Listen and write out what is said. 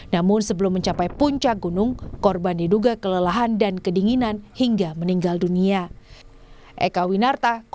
namun sebelum mencapai puncak gunung korban diduga kelelahan dan kedinginan hingga meninggal dunia